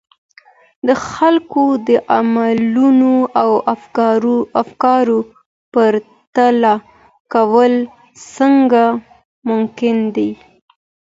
د خلګو د عملونو او افکارو پرتله کول څنګه ممکن دي؟